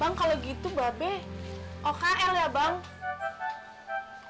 bang kalau gitu mba b okr ya bang